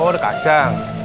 oh ada kacang